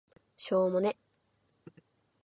しょーもね